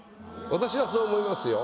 私はそう思いますよ。